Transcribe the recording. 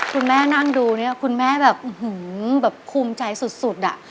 คุณแม่นั่งดูเนี้ยคุณแม่แบบอื้อหือแบบคุ้มใจสุดสุดอ่ะ